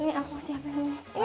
ini aku siapin